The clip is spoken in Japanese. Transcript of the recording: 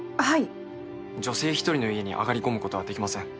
女性一人の家に上がり込むことはできません。